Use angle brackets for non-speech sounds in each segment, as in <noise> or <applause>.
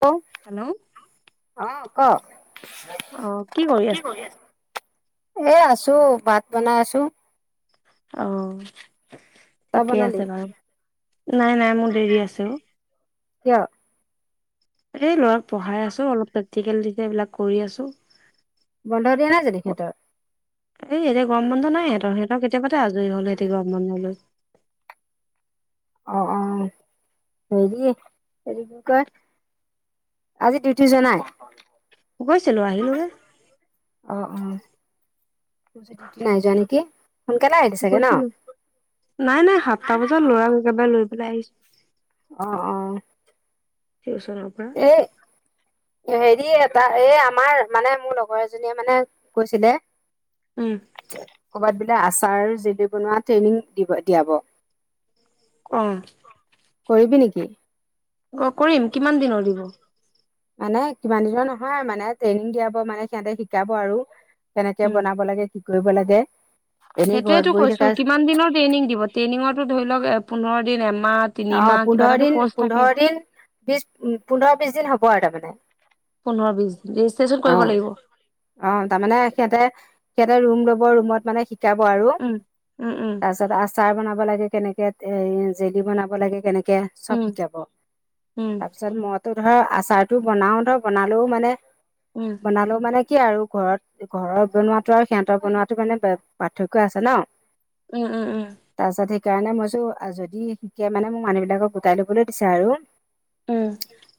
Hello অহ ক অ কি কৰি আছে? এ আছো ভাত বনাই আছো অহ তই ঠিকেই বনালি আছে বাৰু নাই নাই মোৰ দেৰি আছে অ কিয় এই ল'ৰাক পঢ়াই আছো অলপ প্ৰেক্টিকেল দিলে এইবিলাক কৰি আছো। বন্ধ দিয়া নাই জেনিক হেতৰ এই এতিয়া গৰম বন্ধ নাই হেতৰ সিহঁতৰ কেতিয়াবাতে আজৰি হল হেতি গৰম বন্ধলৈ। <inaudible> অ অ হেৰি এইটো কি কয় আজি দিউতি যোৱা নাই গৈছিলো আহিলো গে অ অ ডিউটি নাই যোৱা নেকি সোনকালে আহিলি চাগে ন গৈছিলো নাই নাই সাতটা বজাত লৰা একেবাৰে লৈ পেলাই আহিছো। অহ অহ টিউচনৰ পৰা হেৰি এটা এ আমাৰ মানে মোৰ লগৰ এজনীয়ে মানে কৈছিলে উম কবাত আচাৰ জেলি বনোৱা ট্ৰেইনিং দিব দিয়াব অ কৰিবি নেকি? অ কৰিম কিমান দিন দিনৰ দিব। মানে কিমান দিনৰ নহয় মানে ট্ৰেইনিং দিয়াব মানে সিহঁতে শিকাব আৰু কেনেকে বনাব লাগে কি কৰিব লাগে। এনেই ঘৰত সেইটোয়েটো বহি কৈছো থকা কিমান দিনৰ ট্ৰেইনিং দিব ট্ৰেইনিংৰো ধৰি লওক পোন্ধৰ দিন এমাহ অ তিনিমাহ কিবা পোন্ধৰ এটাতো দিন কৰ্চ থাকে পোন্ধৰ দিন বিচ উ পোন্ধৰ বিচ দিনৰ হব আৰু তাৰমানে- পোন্ধৰ বিশ দিন ৰেজিষ্ট্ৰেচন অ কৰিব লাগিব অ তাৰমানে সিহঁতে সি- এটা ৰুম ল'ব ৰুমত মানে শিকাব আৰু তাৰপিছত আচাৰ বনাব লাগে। কেনেকে এ জেলি বনাব লাগে কেনেকে চব শিকাব তাৰপিছত মদ ত ধৰ আচাৰটো বনাও ধৰ বনালেও মানে বনালেও মানে। কিয়া আৰু ঘৰত ঘৰত বনোৱাটো আৰু সিহঁতৰ বনোৱাটো মানে পাৰ্থক্য আছে ন- উম উম উম তাৰ পিছত সেইকাৰণে মইচো যদি শিকে মানে মোক মানুহ বিলাকক গোটাই লবলৈ দিছে। আৰু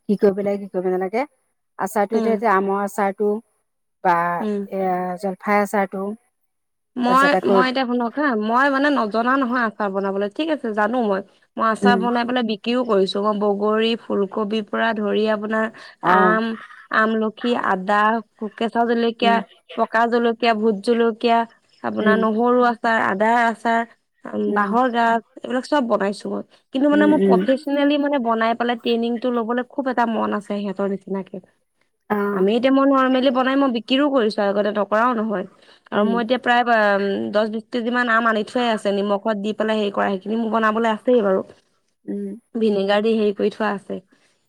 কি কৰিব লাগে কি কৰিব নালাগে আচাৰটো এতিয়া আমৰ আচাৰ বা এ জলফাই আচাৰটো- মই তাৰপিছত আকৌ মই এতিয়া শুনক হা মই মানে নজনা নহয় আচাৰ বনাবলৈ ঠিক আছে জানো। মই মই আচাৰ উম বনাই পেলাই বিক্ৰীও কৰিছো মই বগৰী ফুলকবি পৰা ধৰি আপোনাৰ অ আম আমলখি, আদা, কেঁচা জলকীয়া, উম পকা জলকীয়া, কীয়া ভোট জলকীয়া, আপোনাৰ উম নহৰু আচাৰ আদাৰ আচাৰ, উম বাঁহৰ গাজ, এইবিলাক চব বনাইছো মই কিন্তু মানে উম মোৰ উম প্ৰফেচনেলি মানে বনাই ট্ৰেইনিংটো ল'বলৈ খুব এটা মন আছে সিহঁতৰ নিচিনাকে অ আমি এতিয়া মই নৰ্মেলি বনাই মই বিক্ৰীও কৰিছো আগতে নকৰাও নহয় আৰু উম মই এতিয়া। ম দহ বিচ কেজি মান আম আনি থোৱাই আছে নিমখত দি পেলাই হে কৰা সেইখিনি মোৰ বনাবলৈ আছেই বাৰু- উম গাড়ী হেৰি কৰি থোৱা আছে।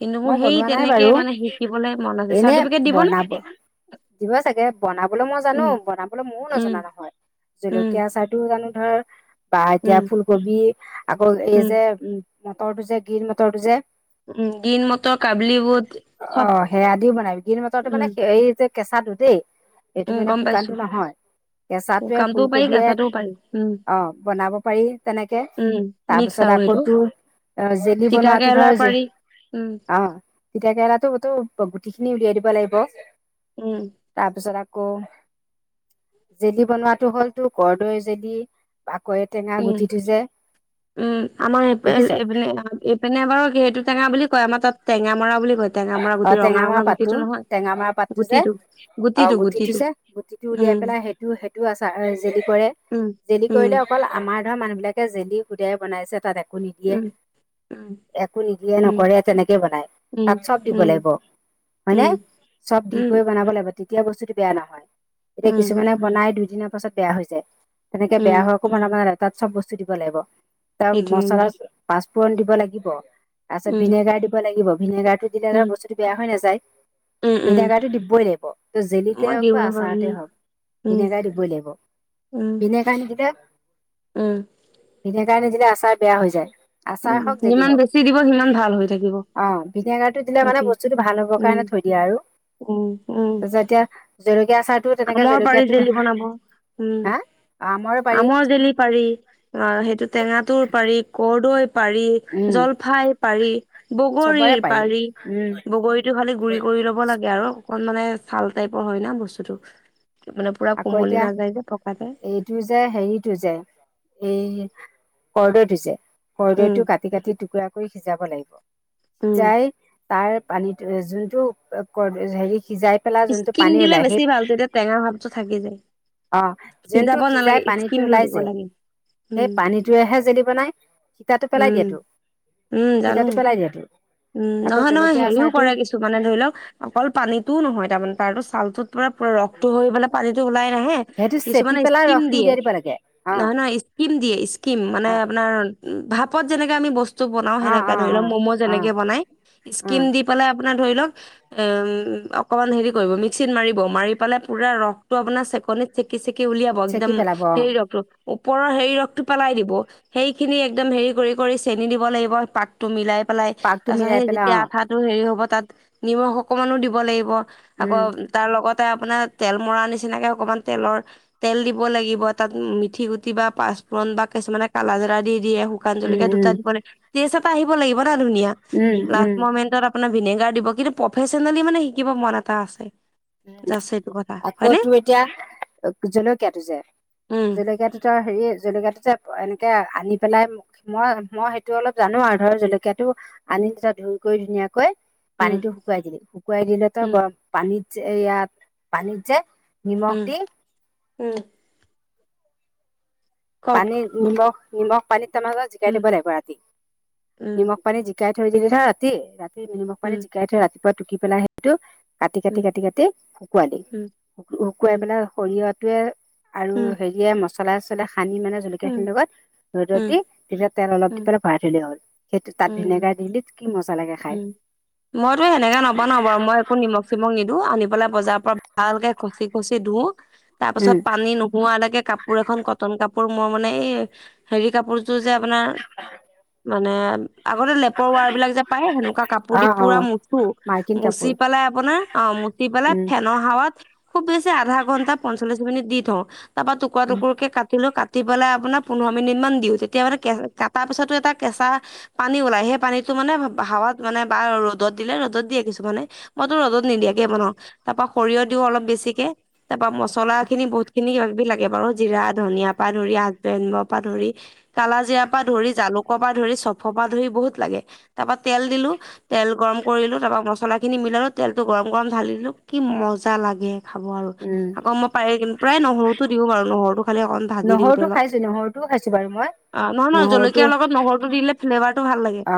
কিন্তু মোৰ মই সেই বনোৱা নাই তেনেকে বাৰু মানে শিকিবলৈ মন আছে এনে চাৰ্টিফিকেট দিব নে- বনাব দিব চাগে বনাবলৈ মই জানো বনাবলৈ মইয়ো উম নজনা নহয় উম জলকীয়া আচাৰটো জানো ধৰ বা এতিয়া উম ফুলকবি, আকৌ এই উম যে উ মটৰটো যে গ্ৰীণ মটৰটো যে উম গ্ৰীণ মটৰ কাবলি বুট অ চব সেয়া দিও বনাবি গ্ৰীণ মটৰটো উম যে এই যে কেঁচাটো দেই এইটো উম মানে গম পাইছো শুকানটো নহয়। কেঁচাটোয়ে, শুকামটোও পাৰি ফুলকবিয়ে, কেঁচাটোও পাৰি উম অ বনাব পাৰি তেনেকে উম মিক্স তাৰপিছত আৰু সেইটো তাকোটো জেলি তিতা বনোৱাটো কেৰেলা ধৰ যে পাৰি উম অ তিতা কেৰেলাতো গুটি খিনি উলিয়াই দিব লাগিব উম তাৰপিছত আ <unintelligible> আকৌ জেলি বনোৱাটো হ'ল তো কৰৰ্দৈ জেলি বাকৰি টেঙা উম গুটিটো যে উম দেখিছ আমাৰপিনে এইপিনে বাৰু সেইটো টেঙা বুলি <unintelligible> কয় আমাৰ তাত টেঙা মৰা বুলি কয় টেঙা মৰা অ গুটি ৰঙা টেঙা মৰা ৰঙা পাতো গুটিটো নহয় টেঙা মাৰ পাতটো যে গুটিটো অ গুটিটো যে গুটিটো উলিয়াই উম পেলাই সেইটো সেইটো আচাৰ জেলি কৰে উম জেলি উম কৰিলে অকল আমাৰ ধৰা মানুহবিলাকে জেলি হোদাই বনাইছে একো নিদিয়ে উম একো নিদিয়ে উম নকৰে তেনেকে বনাই উম তাত চব <unintelligible> উম লাগিব হয় উম নে চব দি উম কৰি বনাব লাগিব তেতিয়া বস্তুতটো বেয়া নহয় এতিয়া উম কিছুমানে বনাই দুদিনৰ পাছত বেয়া হৈ যায় তেনেকে বেয়া উম হোৱাকো বনাব না তাত চব বস্তু দিব লাগিব তাৰ সেইটোৱে মচলা পাঁচফোৰণ দিব লাগিব তাৰপিছত উম ভিনেগাৰ দিব লাগিব ভিনেগাৰ টো দিলে উম বস্তুটো বেয়া হৈ নাযায় উম উম ভিনেগাৰটো দিবই লাগিব ত জেলিতে মই হওক বা দিওঁৱে বাৰু উম আচাৰতে হওক। উম ভনেগাই দিবই লাগিব উম ভিনেগাৰ নিদিলে উম ভিনেগাৰ নিদিলে আচাৰ বেয়া হৈ যায়। আচাৰ উম হওক যদি যিমান হওক। বেছি দিব সিমান ভাল হৈ থাকিব অ' ভিনেগাৰ <unintelligible> দিলে মানে সেইটোৱে বস্তটো ভাল হ'ব উম কাৰণে থৈ দিয়ে আৰু উম উম যেতিয়া জল <unintelligible> আমৰ পাৰি জেলি বনাব। উম' হা আমৰ জেলি পাৰি। অ' সেইটো টেঙাটোৰ পাৰি, কৰ্দৈ পাৰি, উম জলফাইৰ পাৰি, চবৰে বগৰীৰ পাৰি উম বগৰীটো খালি গুৰি কৰি ল'ব লাগে আৰু অকণ মানে ছাল টাইপৰ হয় ন বস্তুটো। মানে পুৰা আকৌ কোমলি এতিয়া নাযায় যে পকাতে এইটো যে হেৰিটো যে সেই কৰৰ্দৈটোজে, উম কৰৰ্দৈটো কাটি কাটি টুকুৰা কৰি সিজাব লাগিব। উম সিজাই তাৰ পানীত যোনটো হেৰি সিজাই পেলাই যোনটো স্কিম পানী দিলে ওলাই সেই বেছি ভাল তেতিয়া টেঙা ভাৱটো থাকি যায় অ'যোনটো সিজাব সিজাই নালাগে পানীটো স্কিম ওলাই দিব যে লাগে উম সেই পানীটোৱেহে জেলি বনাই। সীতাটো পেলাই উম দিয়াতো উম জানো সীতাটো পেলাই দিয়েতো উম' নহয়, নহয় হেৰিও কৰা কিছু মানে ধৰি লওক, অকল পানীতও নহয় তাৰমানে তাৰো ছালটোত তোমাৰ ৰসটো হৈ পেলাই পানীতটো ওলাই নাহে সেইটো চেপি কিছুমানে পেলাই স্কিম ৰসটো দিয়ে। উলিয়াই দিব লাগে অ নহয়, নহয় স্কিম দিয়ে, স্কিম মানে অ আপোনাৰ ভ যেনাকা বস্ত বনাও অ সেনেকে অ ধৰিলৌক মম অ অ যেনেকে বনাই অ স্কীম দি পেলাই আপোনাৰ <unintelligible> ধৰি লওঁক, অকণমান হেৰি কৰিব মিক্সি ত মাৰিব মাৰি পেলাই পোৰা ৰখ তো আপোনাৰ চেক <unintelligible> নিত চেকি-চেকি উলিয়াব। চেকি একদম পেলাব অ হেৰি ৰ ওপৰৰ হেৰি ৰসটো পেলাই দিব, সেইখিনি একদম হেৰি কৰি-কৰি চেনি দিব লাগিব পাতটো মিলাই। পেলাই পাকটো তাৰ পাছত মিলাই সেই পেলাই যেতিয়া অ আঠাটো হেৰি হ'ব তাত নিমখ অকমানো দিব লাগিব। আকৌ উম, তাৰ লগত আপোনাৰ তেল মৰা নিচিনাকে অকমান তেলৰ তেল দিব লাগিব, তাত মিঠি গুটি বা প <unintelligible> পূৰন বা কিছুমানে কালাজীৰা দি <unintelligible> শুকান উম, জ্বলকিয়া দুটা উম, দিব লাগিব। টেষ্ট এটা আহিব লাগিব নহ ধুনিয়া। উম, লাষ্ট উম, মৌমেণ্টত আপ <unintelligible> আপোনাৰ ভিনেগাৰ দিব। কিন্তু, প্ৰফেচনেলি মানে শিকিব মন এটা আছে উম, আছেটো। <unintelligible> আকৌ তোৰ এতিয়া জলকীয়াটো যে, উম জলেকীয়া দুটা হেৰি জেলেকীয়া দুটা এনেকে আনি পেলাই মই, মই সেইটো অলপ জানো আৰু ধৰ জলকীয়াটো আনি কৈ ধুনীয়াকৈ উম পানীটো শুকুৱাই দিলো। শুকুৱাই দিলেতো উম গৰম পানীত যে ইয়াত পানীত যে নিমখ দি উ। পানীত নিমখ, নিমখ পানীত <unintelligible> জিকাই উম থব লাগিব ৰাতি। উম নিমখ পানী জিকাই থৈ দিলে ধৰ ৰাতি, ৰাতি নিমখ পানী উম জিকাই থৈ ৰাতিপুৱা টুকি পেলাই সেইটো উম কাটি-কাটি-কাটি-কাটি শুকোৱাই দিম। উম শুকুৱাই উম পেলাই সৰিয়হটোৱে আৰু উম হেৰিয়ে মছলা-চছলা সানি মানে উম জলকীয়াখিনিৰ লগত ৰ'দত উম দি ভিলে তেল অলপ দি উম পেলাই ভৰাই থৈলে হ'ল। সেইটো তাত উম ভিনেগাৰ দিলে কি মছ উম, মইতো সেনেকে নবনাওঁ বাৰু, মই একো নিমখ-চিমখ নিদো। আনি পেলাই বজাৰৰ পৰা ভালকে খচি-খচি ধোও। তাৰ পাছত উম পানী নোহোৱালৈকে কাপ কাপোৰ এখন কটন কাপোৰ মোৰ মানে এই হেৰি কাপোৰযোৰ যে আপোনাৰ মানে আগতে লেপৰ ৱাৰ বিলাক যে পায় সেনেকুৱা কাপোৰ অ দি অ পুৰা মুচো। মাৰ্কিন মুচি কাপোৰ পেলাই আপোনাৰ অ' মুচি পেলাই উম ফেনৰ হাৱাত খুব বেছি আধা ঘণ্টা, পঞ্চল্লিছ মিনিট দি থওঁ। তা পৰা উম টুকুৰা-টুকুৰকে কাটিলো। কাটি কাটি পেলাই আপোনাৰ পোন্ধৰ মিনিট মান দিও। তেতিয়া মানে কে কাটাৰ পিছত এ কেচা পানী ওলাই সেই পানীটো মানে ভ হাৱাত মানে বা ৰ'দত দিলে ৰ'দত দিয়ে কিছুমানে। মইতো ৰ'দত নিদিয়াকে বনাওঁ। তাৰ পৰা সৰিয়হ দি <unintelligible> অলপ বেছিকে। তাৰপৰা মচলাখিনি বহুতখিনি কিবা কিবি <unintelligible> <unintelligible> বাৰু জিৰা, ধনিয়া পা ধৰি আঠবনৰ পৰা ধৰি কালাজিৰা পৰা ধৰি জালুকৰ পৰা ধৰি <unintelligible> চফ পা ধৰি বহুত লাগে। তাপৰা তেল দিলো। তেল গৰম কৰিলো, তাৰপৰা মছলাখিনি মিলালো। তেলটো গৰম-গৰম ঢালি দিলো কি ম মজা লাগে খাব আৰু। উম আকৌ মই প্ৰায় নহৰুতো দিওঁ বাৰু নহৰু সিফালে অকন ভাজি দিওঁ নহৰুটো তেলত। খাইছো নহৰুটোও খাইছো বাৰু মই আ নহয়-নহয় নহৰুটো জলকীয়া লগত নহৰুটো দি দিলে ফ্লেভাৰ টো ভাল লাগে। অ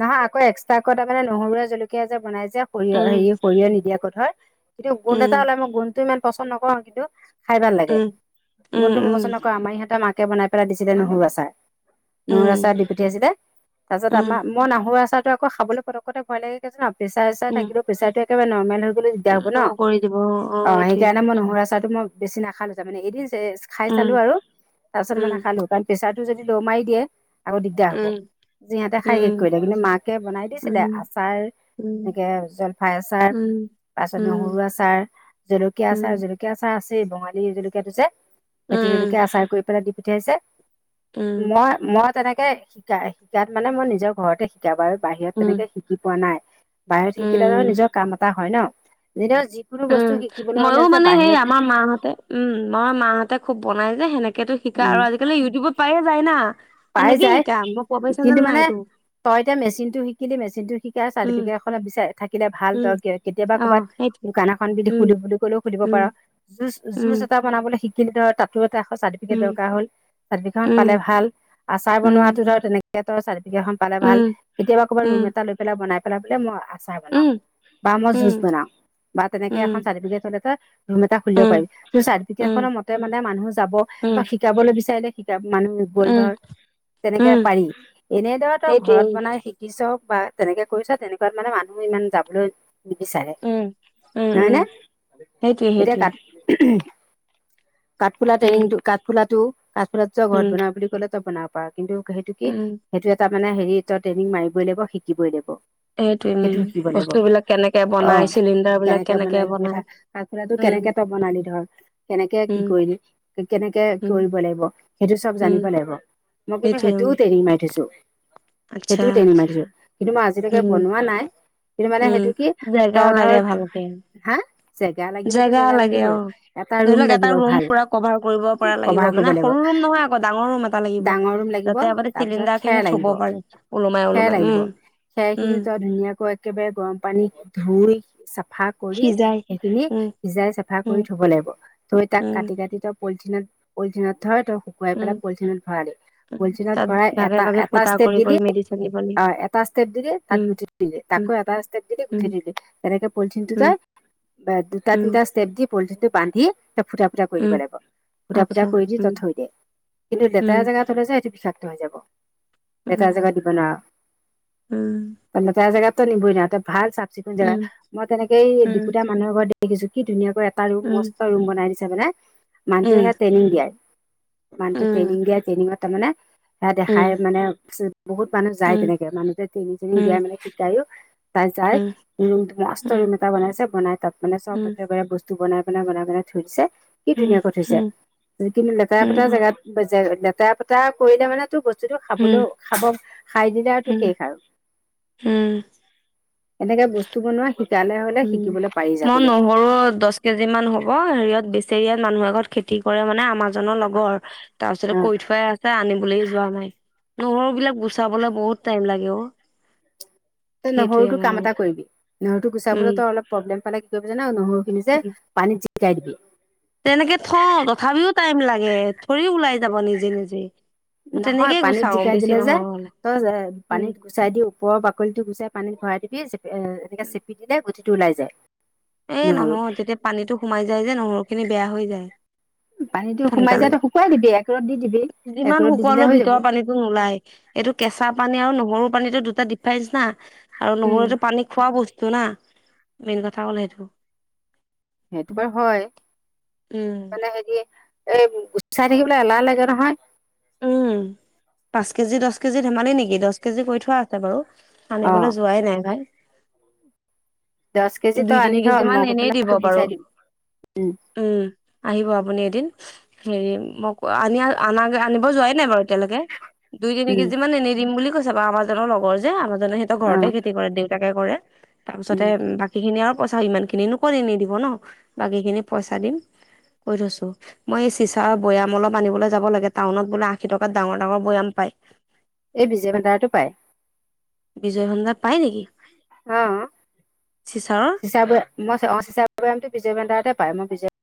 নহয় আকৌ এক্সট্ৰাকৈ আকৌ তাৰমানে নহৰুৱে, জলকীয়াই যে বনাই যে সৰিয়হ উম হেৰি সৰিয়হ নিদিয়া কৈ থয় কিন্তু গুন্ধ এটা উম ওলায়। মই গুন্ধটো ইমান পচন্দ নকৰো, কিন্তু খাই ভাল লাগে। উম গুন্ধটো মই পচন্দ উম নকৰো। আমাৰ ইহঁতে মাকে বনাই পেলাই দিছিলে নহৰু আচাৰ। নহৰু উম আচাৰ দি পঠিয়াইছিলে। তাৰপিছত উম আমাৰ মন <unintelligible> আহ নহৰু আচাৰটো আকৌ খাবলে পটকতে ভয় লাগে। কিয় জান? প্ৰেচাৰ-চেচাৰ উম থাকিলেও প্ৰেছাৰটো একদম নৰ্মেল হৈ দিগদাৰ হ'ব ন? উম ল' কৰি দিব অ সেইটোৱে সেইকাৰণে মই নহৰু আচাৰটো মই বেছি নাখালো মানে এৰি টেষ্ট খাই উম চালো আৰু তাৰ পিছত মই উম নাখালো, কাৰণ প্ৰেচাৰটো যদি ল' মাৰি দিয়ে তে আকৌ দিগদাৰ হব। উম আজি সিহঁতে খাই শেষ উম কৰিলে। মানে মাকে বনাই দিছিলে উম আচাৰ উম এনেকে জলফাই আচাৰ, উম তাৰ পিছত উম নহৰু আচাৰ, জলকীয়া উম আচাৰ, জলকীয়া আচাৰ আছে বঙালী জলকীয়াটোযে। সেইটো উম জলকীয়া আচাৰ কৰি পেলাই দি পঠিয়াইছে। উম, মই-মই তেনেকে শিকা-শিকাত মানে মই নিজৰ ঘৰতে শিকা বাৰু। বাহিৰত উম, তেনেকে শিকি পোৱা নাই। বাহিৰত শিকিলে বাৰু উম, নিজৰ কাম এটা হয় ন? যেতিয়া যিকোনো বস্তু উম, শিকিবলৈ হলে মইয়ো যে মানে সেই বাহিৰত আমাৰ মাহঁতে, উম মই মাহঁতে খুব বনাই যে সেনেকেতো শিকা। উম আৰু আজিকালি ইউটিউবত পায়ে যায় না পাই সেনেকেই যায় শিকা কিন্তু <unintelligible> মানে এইটো তই এতিয়া মেচিনটো শিকিলি মেচিনটো শিকাৰ উম, চাৰ্টিফিকেট এখন বিচাৰ <unintelligible> থাকিলে ভাল উম, তই কেতিয়াবা অ', ক'বাত সেইটোৱে দোকান এখন যদি উম, খুলিম বুলি ক'লেও খুলিব উম, পাৰ। যুজ, জুজ উম, এটা বনাবলৈ শিকিলি ধৰ। তাতো চাৰ্টিফিকেট উম, দৰকাৰ হল। চাৰটিফিকেটখন উম, পালে ভাল। আচাৰ উম, বনোৱা তই ধৰ তেনেকে পালে ভাল। উম, কেতিয়াবা ক'বা উম, ৰুম এটা লৈ পেলাই বনাই পেলাই বোলে মই আচাৰ বনাও উম, বা মই উম, যুজ বনাও বা তেনেকে এখন চাৰ্টিফিকেট হ'লে তই ৰুম এটা খুলি উম, দিব উম, পাৰি। তোৰ উম, চাৰ্টিফিকেটখনৰ মতে মানে মানুহ যাব উম, ত‌ই শিকাবলৈ বিচাৰিলে <unintelligible> <unintelligible> মানুহ গল উম, ধৰ তেনেকে উম, পাৰি। এনেদৰে তই সেইটোৱে ঘৰত বনাই শিকি পিছত বা তেনেকে কৰিছ তেনেকুৱাত মানে মানুহ ইমান যাবলৈ নিবিচাৰে, উম, উম, উম, উম, নহয়নে? সেইটোৱে এতিয়া সেইটোৱে কাত কাঠফুলা উম, টেইনিংটো। কাঠফুলাটো-কাঠফুলাটো ত‌ই ঘৰত উম, বনাওঁ বুলি ক'লে তই বনাব পাৰ কিন্তু সেইটো কি উম। সেইটো এটা মানে হেৰি তই ট্ৰেইনিং মাৰিবই লাগিব, শিকিবই লাগিব। সেইটোৱে উম সেইটো শিকিব লাগিব। বস্তু বিলাক কেনেকে অ বনাই চিলিণ্ডাৰ বিলাক কেনেকে বনাই, কি কথা। কাঠফুলাটো উম কেনেকে তই বনালি ধৰ কেনেকে কি উম কৰিলি? কেনেকে উম কৰিব লাগিব সেইটো চব উম জানিব লাগিব। মই কিন্তু সেইটোৱে উম সেইটোও ট্ৰেইনিং মাৰি থৈছো সেইটোও ট্ৰেইনিং মাৰি থৈছোঁ। কিন্তু মানে উম-উম সেইটো কি জেগা তই ধৰ লাগে ভালকে। হা জেগা লাগিবতো জেগা লাগে অ লাগিবই এটা ধৰি ৰুম লওক এটা লাগিব ৰুম ভাল পুৰা কভাৰ কৰিব পৰা লাগিব কভাৰ কৰিব মানে সৰু ৰুম, নহয় আকৌ ডাঙৰ ৰুম এটা লাগিব। ডাঙৰ ৰুম লাগিব যাতে আপুনি তাৰপিছত খেৰ চিলিণ্ডাৰখিনি থব লাগিব পাৰে ওলোমাই খেৰ ওলোমাই লাগিব উম খেৰখিনি উম ত‌ই ধুনীয়াকৈ একেবাৰে গৰম পানীত ধুই চাফা কৰি সিজাই সেইখিনি উম সিজাই চাফা উম কৰি থব লাগিব থৈ তাক উম কাটি-কাটি ত পলথিনত-পলথিনত থৈ ত‌ই শুকুৱাই উম পেলাই পলথিনত ভৰালি উম পলিথিনত তাত ভৰাই ভাগে ভাগে এটা-এটা ফুটা ষ্টেপ কৰি দিলি কৰি মেডিচিন দিব লাগিব অ এটা ষ্টেপ দিলি তাত উম গুটি দিলি তাক উম আকৌ এটা ষ্টেপ দিলি গুঠি উম দিলি তেনেকে পলিথিনটো উম ত‌ই দুটা উম তিনিটা ষ্টেপ দি পলিথিনটো বান্ধি টা ফুটা ফুটা কৰি দিব উম লাগিব ফুটা ফুটা আচ্ছা, কৰি দি উম, তই থৈ দিয়ে কিন্তু উম, লেতেৰা জেগাত থলে সেইটো বিষাক্ত হৈ যাব লেতেৰা‌ উম, জেগাত দিব উম, নোৱাৰ লেতেৰা জেগাত। এ ভাল চাফ চিকুণ জগা উম, মই তেনেকেই দ দিপুতীয়া মানুহৰ ঘৰত দেখিছো কি ধুনীয়া এটা ম উম, মস্ত ৰুম বনাই দিছে মানে মানুহে উম, স ট্ৰেইনিং দিয়াই উম, মানুহটো উম, ট্ৰেইনিং দিয়াই ট্ৰেইনিঙত তাৰমানে সে দেখাই মানে বহুত মানুহ যায় উম, তেনেকে মানুহ যে তিনিজনী উম, দিয়াই মানে শিকায়ো তাই উম, যাই উম, মস্ত উম, ৰুম এটা বনাইছে বনাই তাত মানে চব উম, একেবাৰে বস্তু বনাই। বনাই বনাই থৈ দিছে কি উম, উম, ধুনীয়াকৈ থৈছে কিন্তু লেতেৰা উম, পেটেৰা জেগাত লেতেৰা পেতেৰা কৰিলে মানে তো বস্তু বস্তুটো খাবলৈ খাব খাই দিলেটো উম, উম, শেষ আৰু উম, এনেকে বস্তু বনোৱা শিক উম মই নহৰু দহ কেজি মান হ'ব হেৰিয়ত বেছি চৰিয়াত মানুহ আগত খেতি কৰে মানে মানুহজনৰ লগৰ তাৰ অ পিছতে কৈ থোৱাই আছে আনিবলৈ যোৱা নাই। নহৰু বিলাক গুচাবলে বহুত টাইম লাগে অ। তই নহৰু সেইটোয়ে তো মানে কাম এটা কথা। কৰিবি নহৰুটো উম, গুচাবলৈ তই অলপ প্ৰব্লেম পালে কি কৰিবি জান নহৰু নিজে উম। পানী জিকাই দিবি। তেনেকে থওঁ তথাপিও টাইম লাগে থৰি ওলাই যাব নিজে নিজে। নহয় তেনেকেই পানীত গুচাও জিকাই বেছি দিলে যে নহৰু হ'লে তই উম পানীত গুচাই দি ওপৰৰ বাকলিটো গুচাই পানীত ভৰাই দিবি চে এনেকে চেপি দিলে গুঠিটো ওলাই যায়। এই নহৰু নহয় যেতিয়া পানীটো সোমাই যায় যে নহৰু খিনি বেয়া হৈ যায় পানীটো সোমাই যায় সোনকালে তই শুকুৱাই দিবি এক ৰ'দ দি দিবি এক যিমান ৰ'দ দি দিলে শুকোৱালে হৈ যাব ভিতৰৰ পানীতো নোলায়। এইটো কেঁচা পানী আৰু নহৰু। পানীতো দুটা ডিফাৰেঞ্চ না আৰু উম নহৰুতো পানী খোৱা বস্তু না মেইন কথা ক'লে সেইটো <unintelligible> সেইটো বাৰু হয় উম মানে হেৰি এ গুচাই থাকিবলৈ এলাহ লাগে নহয়। উম পাঁচ কেজি দহ কেজি ধেমালি নেকি দহ কেজি কৰি থোৱা আছে বাৰু। অ আনিবলৈ যোৱাই নাই ভাই। দহ কেজি দুই তই তিনি আনি থ কেজি মান মই গৈ এনেই পেলাই দিব তোক বাৰু। গুচাই দিম উম আহিব আপুনি এদিন হেৰি মই আনি অনা আনিব যোৱাই নাই বাৰু এতিয়ালৈকে দুই তিনি উম কেজি মান এনি দিম বুলি কৈছে। চাবা আমাৰ জনৰ লগৰ যে আমাৰ জনে সিহতৰ অ ঘৰতে খেতি কৰে দেউতাকে কৰে তাৰ পিছতে উম ব সেইখিনি আৰু পইচা সিমানখিনি নো কত এনেই দিব ন বাকীখিনি পইচা দিম। কৈ থৈছো মই এই চিচাৰৰ বৈয়াম অলপ আনিবলৈ যাব লাগে টাউনত বোলে আশী টাউনত ডাঙৰ ডাঙৰ বৈয়াম। পায়। এই বিজে ভডাৰটো পাই। বিজয় সন্দা পাই নেকি। অঅ চিচাৰৰ চিচা বয় মই অ চিচাৰ বয়ামটো বিজয় ভেন্দাৰতে পাই মই বিজয়